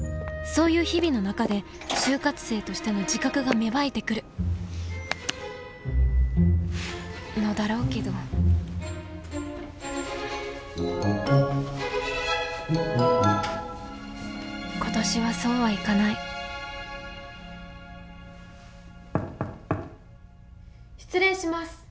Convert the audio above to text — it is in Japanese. そういう日々の中で就活生としての自覚が芽生えてくるのだろうけど今年はそうはいかない失礼します。